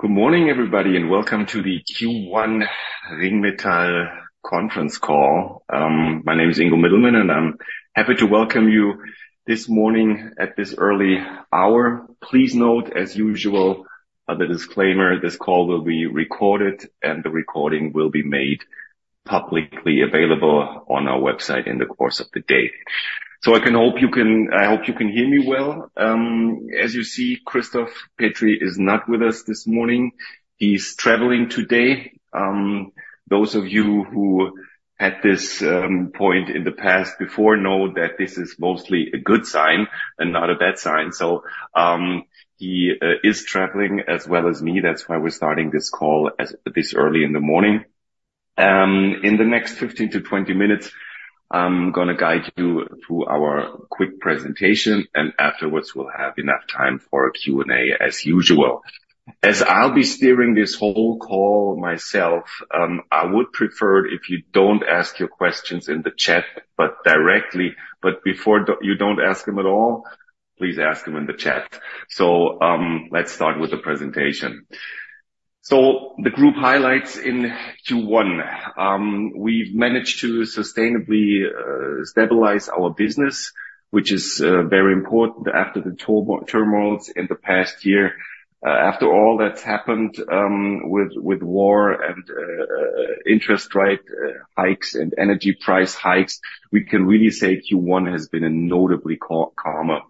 Good morning, everybody, and welcome to the Q1 Ringmetall conference call. My name is Ingo Middelmenne, and I'm happy to welcome you this morning at this early hour. Please note, as usual, the disclaimer, this call will be recorded, and the recording will be made publicly available on our website in the course of the day. So, I hope you can hear me well. As you see, Christoph Petri is not with us this morning. He's traveling today. Those of you who at this point in the past before know that this is mostly a good sign and not a bad sign. So, he is traveling as well as me. That's why we're starting this call as this early in the morning. In the next 15 to 20 minutes, I'm gonna guide you through our quick presentation, and afterwards, we'll have enough time for a Q&A, as usual. As I'll be steering this whole call myself, I would prefer if you don't ask your questions in the chat, but directly. You don't ask them at all, please ask them in the chat. So, let's start with the presentation. So, the group highlights in Q1. We've managed to sustainably stabilize our business, which is very important after the turbulent turmoils in the past year. After all that's happened, with war and interest rate hikes, and energy price hikes, we can really say Q1 has been a notably calmer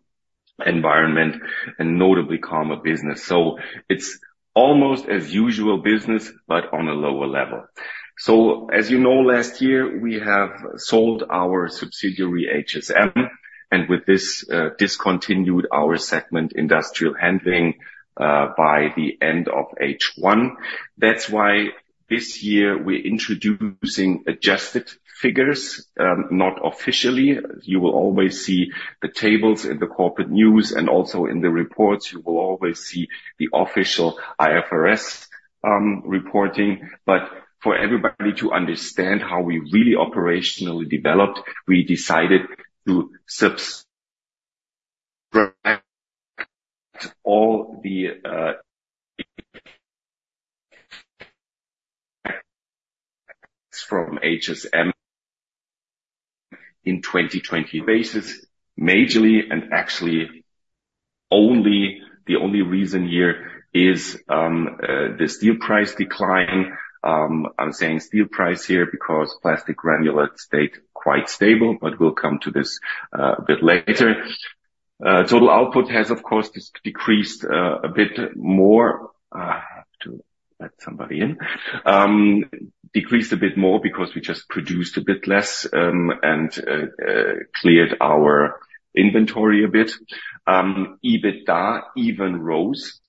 environment and notably calmer business. So it's almost as usual business, but on a lower level. So as you know, last year, we have sold our subsidiary, HSM, and with this, discontinued our segment, Industrial Handling, by the end of H1. That's why this year we're introducing adjusted figures, not officially. You will always see the tables in the corporate news and also in the reports, you will always see the official IFRS reporting. But for everybody to understand how we really operationally developed, we decided to subtract all the from HSM in 2020 basis, majorly and actually only, the only reason here is the steel price decline. I'm saying steel price here because plastic granulate stayed quite stable, but we'll come to this a bit later. Total output has, of course, decreased a bit more. I have to let somebody in. Decreased a bit more because we just produced a bit less, and cleared our inventory a bit. EBITDA even rose.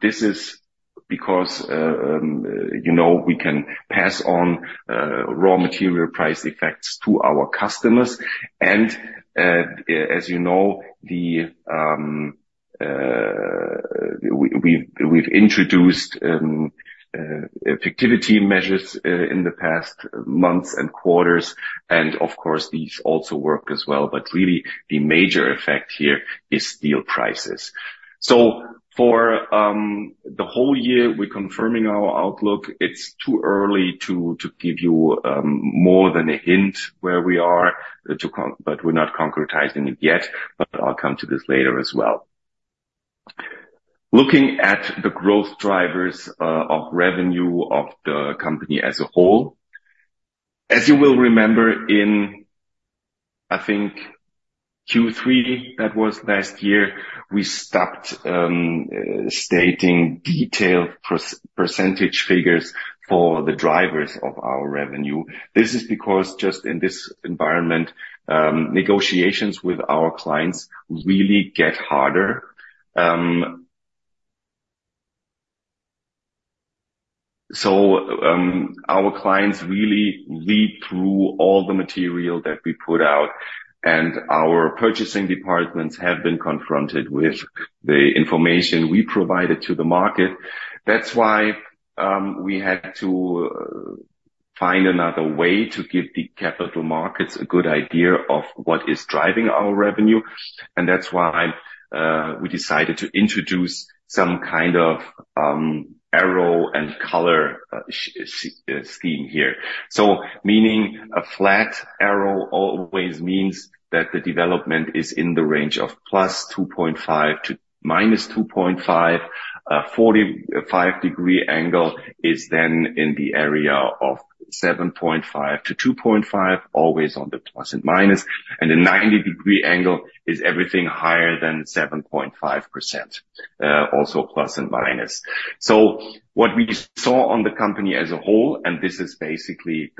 This is because, you know, we can pass on raw material price effects to our customers, and, as you know, we've introduced activity measures in the past months and quarters, and of course, these also work as well. But really, the major effect here is steel prices. So for the whole year, we're confirming our outlook. It's too early to give you more than a hint where we are, but we're not concretizing it yet, but I'll come to this later as well. Looking at the growth drivers of revenue of the company as a whole, as you will remember in, I think, Q3, that was last year, we stopped stating detailed percentage figures for the drivers of our revenue. This is because just in this environment, negotiations with our clients really get harder. So, our clients really read through all the material that we put out, and our purchasing departments have been confronted with the information we provided to the market. That's why, we had to find another way to give the capital markets a good idea of what is driving our revenue, and that's why, we decided to introduce some kind of arrow and color scheme here. Meaning a flat arrow always means that the development is in the range of +2.5 to -2.5. 45-degree angle is then in the area of 7.5 to 2.5, always on the plus and minus, and a 90-degree angle is everything higher than 7.5%, also plus and minus. What we saw on the company as a whole, and this is basically.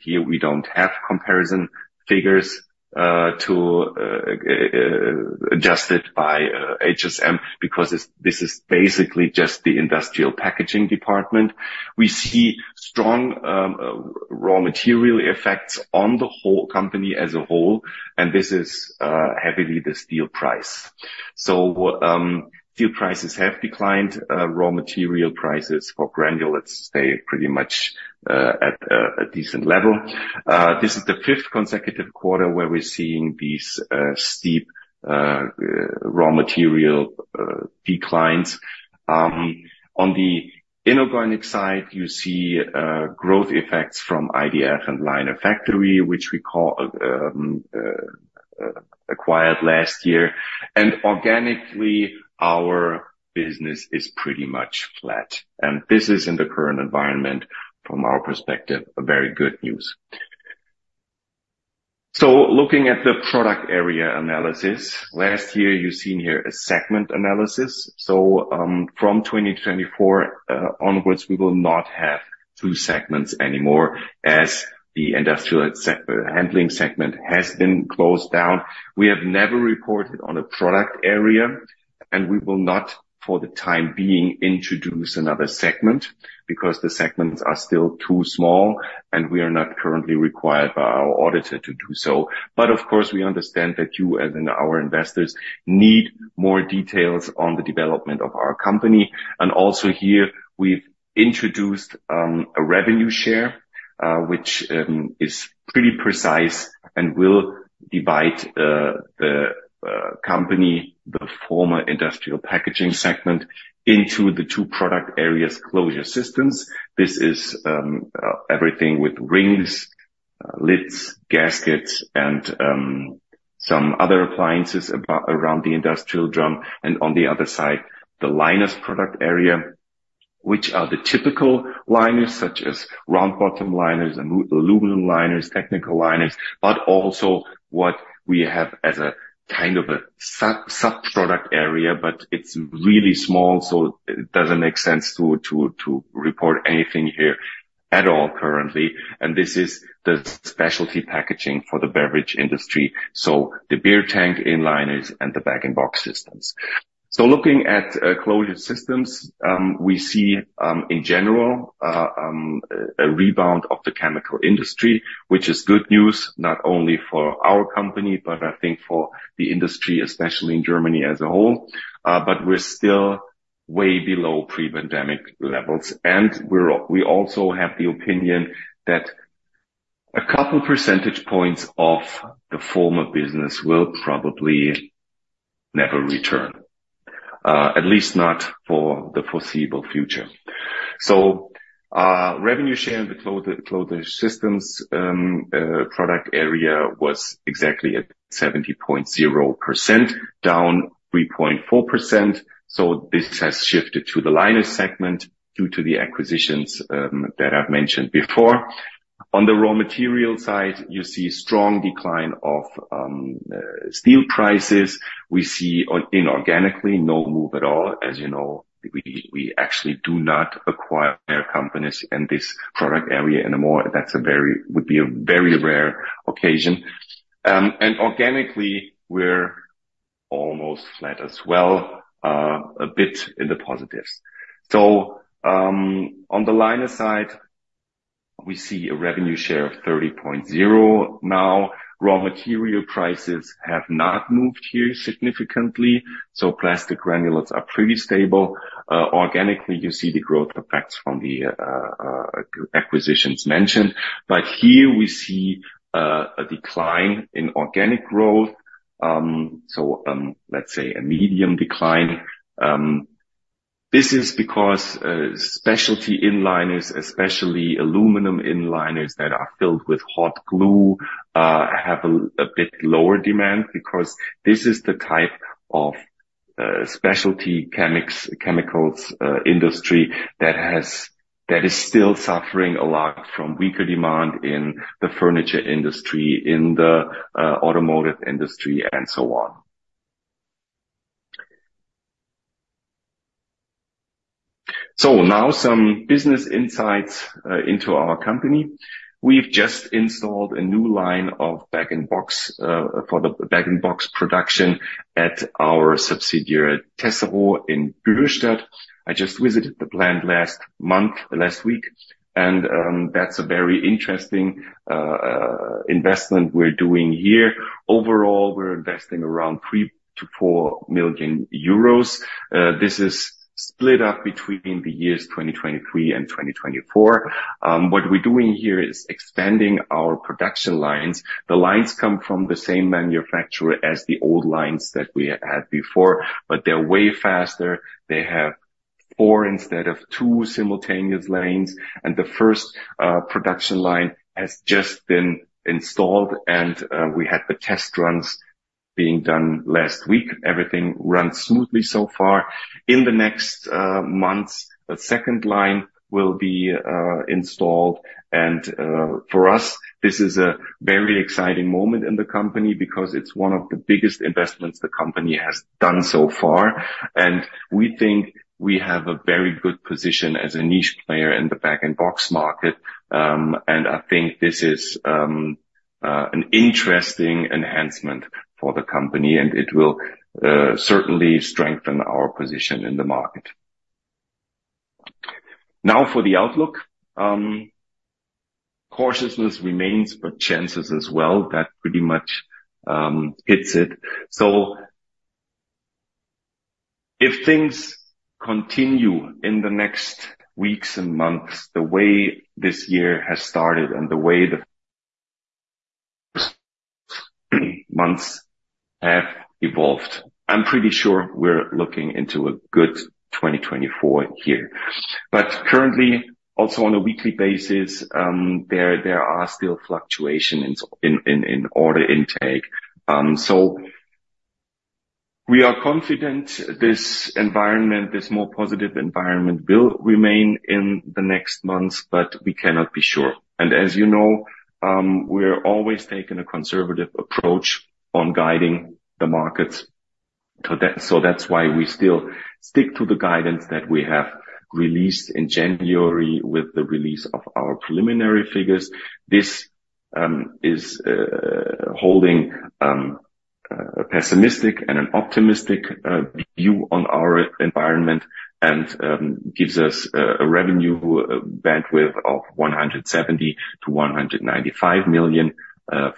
Here, we don't have comparison figures to adjusted by HSM because this is basically just the industrial packaging department. We see strong raw material effects on the whole company as a whole, and this is heavily the steel price. Steel prices have declined. Raw material prices for granulates stay pretty much at a decent level. This is the fifth consecutive quarter where we're seeing these steep raw material declines. On the inorganic side, you see growth effects from IDF and Liner Factory, which we acquired last year. Organically, our business is pretty much flat, and this is in the current environment from our perspective a very good news. Looking at the product area analysis. Last year, you've seen here a segment analysis. From 2024 onwards, we will not have two segments anymore as the industrial handling segment has been closed down. We have never reported on a product area, and we will not, for the time being, introduce another segment, because the segments are still too small and we are not currently required by our auditor to do so. But of course, we understand that you, as in our investors, need more details on the development of our company, and also here we've introduced a revenue share, which is pretty precise and will divide the company, the former industrial packaging segment, into the two product areas, closure systems. This is everything with rings, lids, gaskets, and some other appliances around the industrial drum, and on the other side, the liners product area. Which are the typical liners, such as round bottom liners, aluminum liners, technical liners, but also what we have as a kind of a sub-product area, but it's really small, so it doesn't make sense to report anything here at all currently. And this is the specialty packaging for the beverage industry. So the beer tank Liners and the bag-in-box systems. So looking at closure systems, we see in general a rebound of the chemical industry, which is good news, not only for our company, but I think for the industry, especially in Germany as a whole. But we're still way below pre-pandemic levels. And we also have the opinion that a couple percentage points of the former business will probably never return, at least not for the foreseeable future. So revenue share in the closure, closure systems product area was exactly at 70.0%, down 3.4%. So this has shifted to the liner segment due to the acquisitions that I've mentioned before. On the raw material side, you see strong decline of steel prices. We see on inorganically, no move at all. As you know, we actually do not acquire companies in this product area anymore. That would be a very rare occasion. Organically, we're almost flat as well, a bit in the positives. So, on the liner side, we see a revenue share of 30.0. Now, raw material prices have not moved here significantly, so plastic granulates are pretty stable. Organically, you see the growth effects from the acquisitions mentioned. But here we see a decline in organic growth. So, let's say a medium decline. This is because specialty inliners, especially aluminum inliners that are filled with hot glue, have a bit lower demand because this is the type of specialty chemicals industry that is still suffering a lot from weaker demand in the furniture industry, in the automotive industry, and so on. So now some business insights into our company. We've just installed a new line of bag-in-box for the bag-in-box production at our subsidiary, Tesseraux, in Bürstadt. I just visited the plant last month, last week, and that's a very interesting investment we're doing here. Overall, we're investing around 3 million-4 million euros. This is split up between the years 2023 and 2024. What we're doing here is expanding our production lines. The lines come from the same manufacturer as the old lines that we had before, but they're way faster. They have four instead of two simultaneous lanes, and the first production line has just been installed, and we had the test runs being done last week. Everything runs smoothly so far. In the next months, a second line will be installed, and for us, this is a very exciting moment in the company because it's one of the biggest investments the company has done so far. And we think we have a very good position as a niche player in the bag-in-box market. And I think this is an interesting enhancement for the company, and it will certainly strengthen our position in the market. Now, for the outlook, cautiousness remains, but chances as well, that pretty much hits it. If things continue in the next weeks and months, the way this year has started and the way the months have evolved, I'm pretty sure we're looking into a good 2024 year. But currently, also on a weekly basis, there are still fluctuations in order intake. So we are confident this environment, this more positive environment, will remain in the next months, but we cannot be sure. And as you know, we're always taking a conservative approach on guiding the markets. So that's why we still stick to the guidance that we have released in January with the release of our preliminary figures. This is holding a pessimistic and an optimistic view on our environment and gives us a revenue bandwidth of 170 million-195 million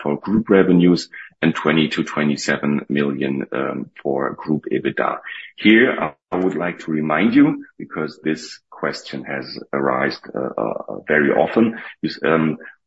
for group revenues, and 20 million-27 million for group EBITDA. Here, I would like to remind you, because this question has arisen very often, is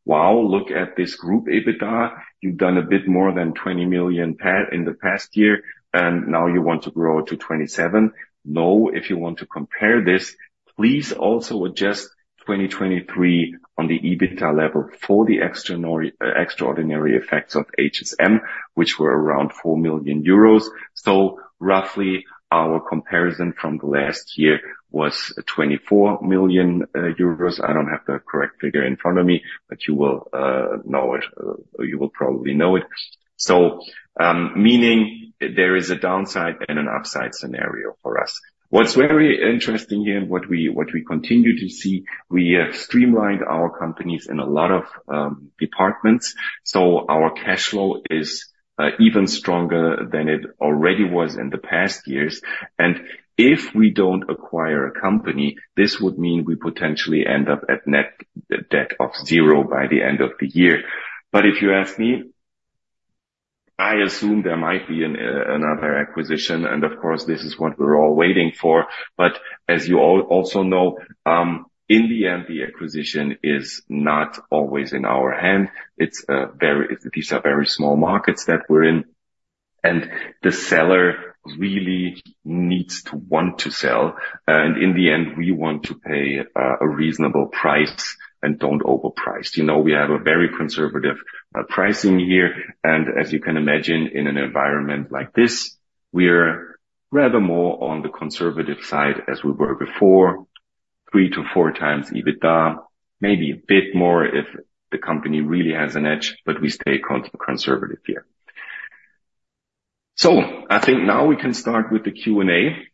wow, look at this group EBITDA. You've done a bit more than 20 million in the past year, and now you want to grow to 27 million. No, if you want to compare this, please also adjust 2023 on the EBITDA level for the extraordinary, extraordinary effects of HSM, which were around 4 million euros. So roughly, our comparison from the last year was 24 million euros. I don't have the correct figure in front of me, but you will know it. You will probably know it. So, meaning there is a downside and an upside scenario for us. What's very interesting here, and what we continue to see, we have streamlined our companies in a lot of departments, so our cash flow is even stronger than it already was in the past years. And if we don't acquire a company, this would mean we potentially end up at net debt of zero by the end of the year. But if you ask me, I assume there might be another acquisition, and of course, this is what we're all waiting for. But as you also know, in the end, the acquisition is not always in our hand. It's very... These are very small markets that we're in, and the seller really needs to want to sell. In the end, we want to pay a reasonable price and don't overprice. You know, we have a very conservative pricing here, and as you can imagine, in an environment like this, we're rather more on the conservative side as we were before, 3-4x EBITDA, maybe a bit more if the company really has an edge, but we stay conservative here. I think now we can start with the Q&A.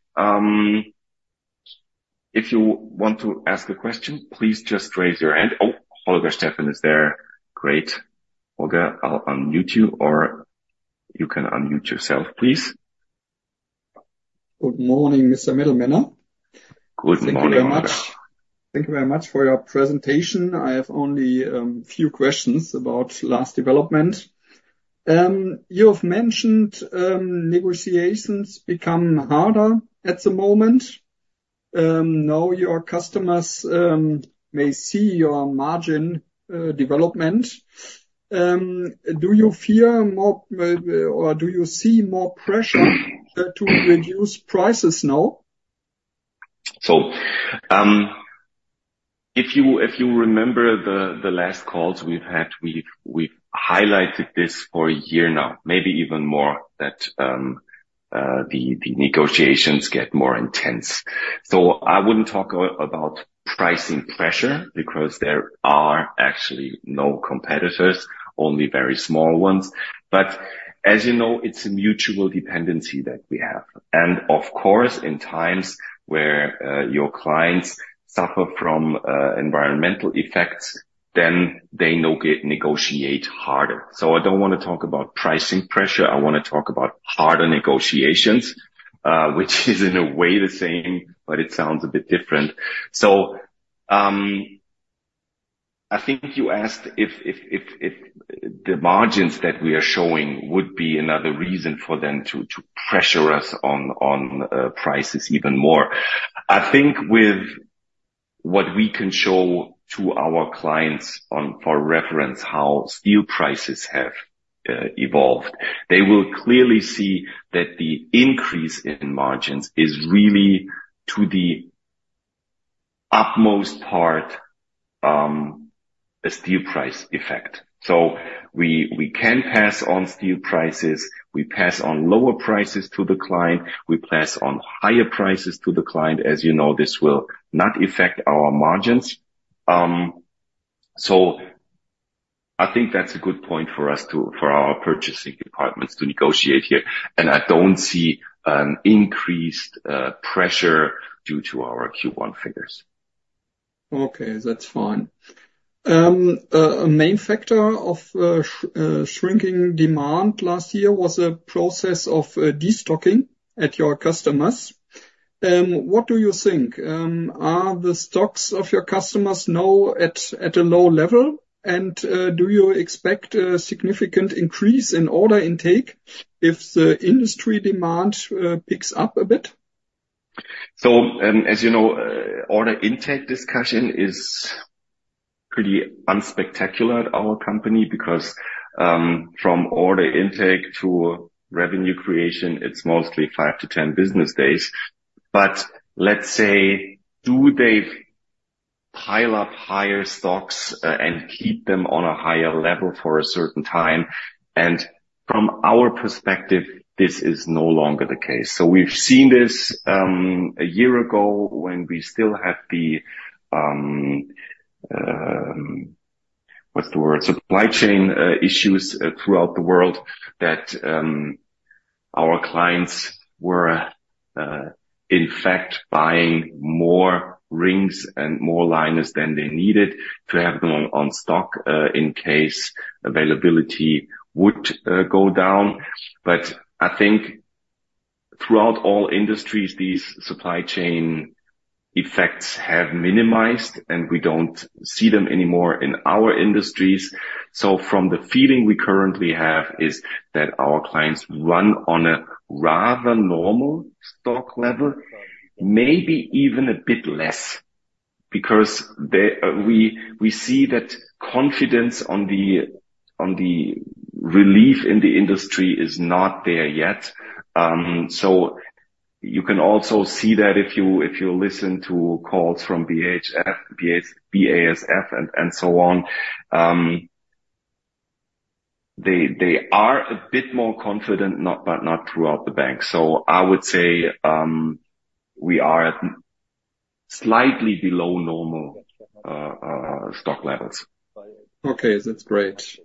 If you want to ask a question, please just raise your hand. Oh, Holger Steffen is there. Great. Holger, I'll unmute you, or you can unmute yourself, please. Good morning, Mr. Middelmenne. Good morning, Holger. Thank you very much. Thank you very much for your presentation. I have only few questions about last development. You have mentioned negotiations become harder at the moment. Now your customers may see your margin development. Do you fear more, or do you see more pressure to reduce prices now? So, if you remember the last calls we've had, we've highlighted this for a year now, maybe even more, that the negotiations get more intense. So I wouldn't talk about pricing pressure because there are actually no competitors, only very small ones. But as you know, it's a mutual dependency that we have. And of course, in times where your clients suffer from environmental effects, then they negotiate harder. So I don't wanna talk about pricing pressure, I wanna talk about harder negotiations, which is in a way the same, but it sounds a bit different. So, I think you asked if the margins that we are showing would be another reason for them to pressure us on prices even more. I think with what we can show to our clients on, for reference, how steel prices have evolved. They will clearly see that the increase in margins is really to the utmost part, a steel price effect. So we, we can pass on steel prices, we pass on lower prices to the client, we pass on higher prices to the client. As you know, this will not affect our margins. So I think that's a good point for us to—for our purchasing departments to negotiate here, and I don't see an increased pressure due to our Q1 figures. Okay, that's fine. A main factor of shrinking demand last year was a process of destocking at your customers. What do you think, are the stocks of your customers now at a low level? And do you expect a significant increase in order intake if the industry demand picks up a bit? So, as you know, order intake discussion is pretty unspectacular at our company because from order intake to revenue creation, it's mostly 5-10 business days. But let's say, do they pile up higher stocks and keep them on a higher level for a certain time? From our perspective, this is no longer the case. We've seen this a year ago when we still had the, what's the word? Supply chain issues throughout the world, that our clients were in fact buying more rings and more liners than they needed to have them on stock in case availability would go down. But I think throughout all industries, these supply chain effects have minimized, and we don't see them anymore in our industries. So from the feeling we currently have is that our clients run on a rather normal stock level, maybe even a bit less, because we see that confidence on the relief in the industry is not there yet. So you can also see that if you listen to calls from BHF, BASF, and so on, they are a bit more confident, but not throughout the bank. So I would say, we are at slightly below normal stock levels. Okay, that's great.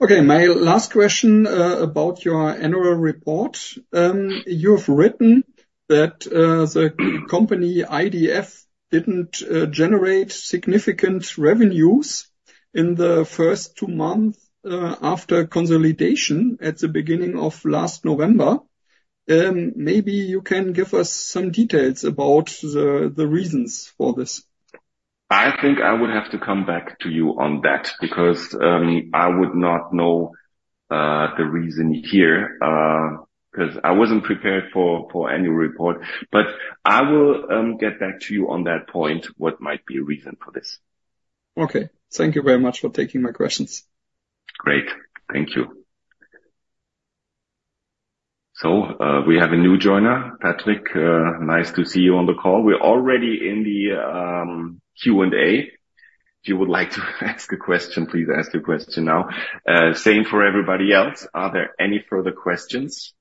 Okay, my last question, about your annual report. You've written that, the company IDF didn't generate significant revenues in the first two months, after consolidation at the beginning of last November. Maybe you can give us some details about the, the reasons for this. I think I would have to come back to you on that, because I would not know the reason here, 'cause I wasn't prepared for annual report. But I will get back to you on that point, what might be a reason for this. Okay. Thank you very much for taking my questions. Great. Thank you. So, we have a new joiner. Patrick, nice to see you on the call. We're already in the Q&A. If you would like to ask a question, please ask your question now. Same for everybody else. Are there any further questions?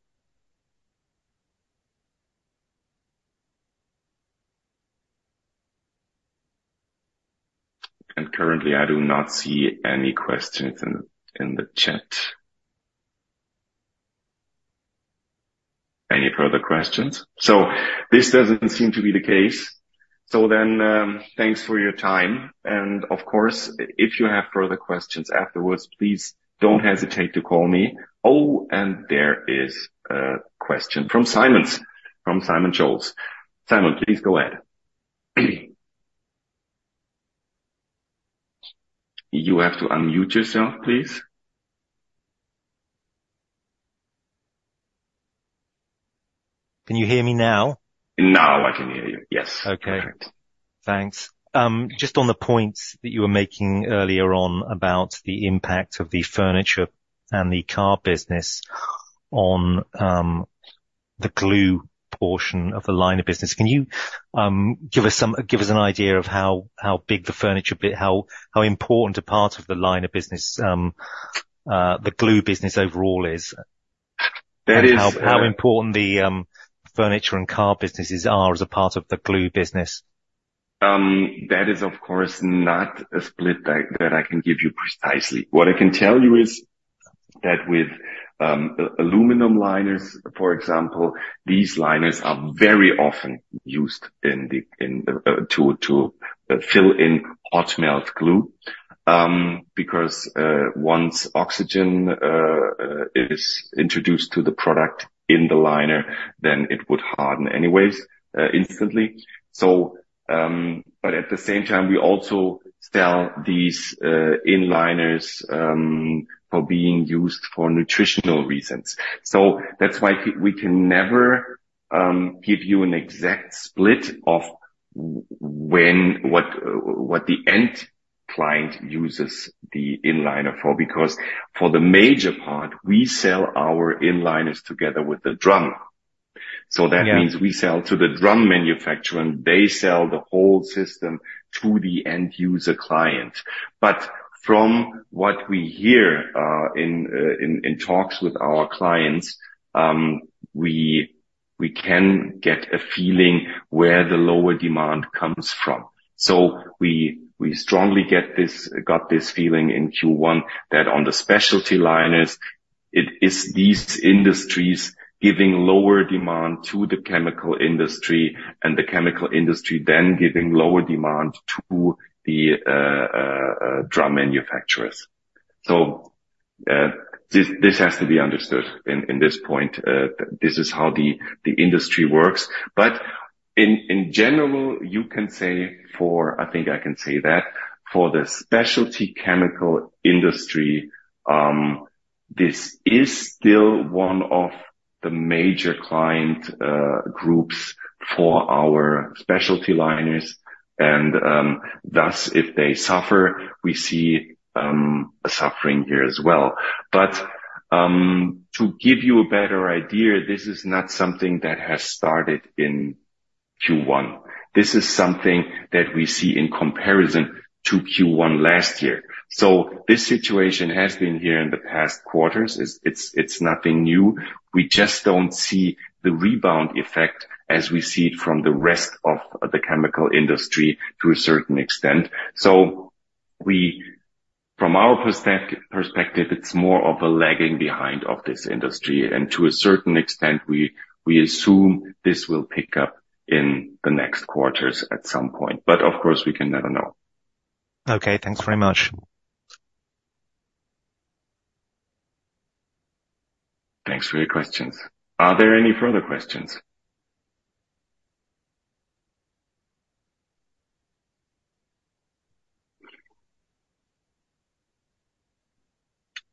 And currently I do not see any questions in the chat. Any further questions? So this doesn't seem to be the case. So then, thanks for your time, and of course, if you have further questions afterwards, please don't hesitate to call me. Oh, and there is a question from Simon, from SimonScholes. Simon, please go ahead. You have to unmute yourself, please. Can you hear me now? Now I can hear you. Yes. Okay. Perfect. Thanks. Just on the points that you were making earlier on about the impact of the furniture and the car business on the glue portion of the liner business. Can you give us an idea of how big the furniture bit, how important a part of the liner business the glue business overall is? That is- How important the furniture and car businesses are as a part of the glue business. That is, of course, not a split that I can give you precisely. What I can tell you is that with aluminum liners, for example, these liners are very often used to fill hot melt glue. Because once oxygen is introduced to the product in the liner, then it would harden anyways instantly. So, but at the same time, we also sell these inner liners for being used for nutritional reasons. So that's why we can never give you an exact split of what the end client uses the inner liner for. Because for the major part, we sell our inner liners together with the drum. Yeah. So that means we sell to the drum manufacturer, and they sell the whole system to the end user client. But from what we hear, in talks with our clients, we can get a feeling where the lower demand comes from. So we strongly got this feeling in Q1 that on the specialty liners it is these industries giving lower demand to the chemical industry, and the chemical industry then giving lower demand to the drum manufacturers. This has to be understood in this point, this is how the industry works. But in general, you can say, I think I can say that, for the specialty chemical industry, this is still one of the major client groups for our specialty liners. Thus, if they suffer, we see a suffering here as well. But to give you a better idea, this is not something that has started in Q1. This is something that we see in comparison to Q1 last year. So this situation has been here in the past quarters. It's nothing new. We just don't see the rebound effect as we see it from the rest of the chemical industry to a certain extent. So, from our perspective, it's more of a lagging behind of this industry, and to a certain extent, we assume this will pick up in the next quarters at some point. But of course, we can never know. Okay, thanks very much. Thanks for your questions. Are there any further questions?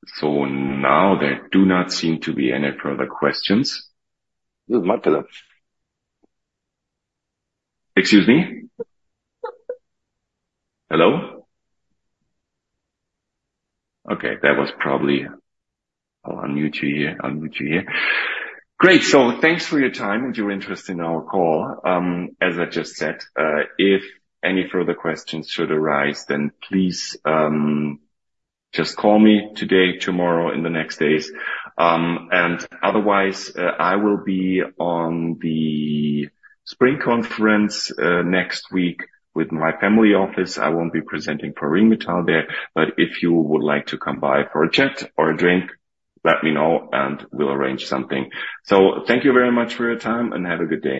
So now there do not seem to be any further questions. Excuse me? Hello? Okay, that was probably... I'll unmute you here. I'll mute you here. Great, so thanks for your time and your interest in our call. As I just said, if any further questions should arise, then please, just call me today, tomorrow, in the next days. And otherwise, I will be on the spring conference, next week with my family office. I won't be presenting for Ringmetall there, but if you would like to come by for a chat or a drink, let me know and we'll arrange something. So thank you very much for your time, and have a good day.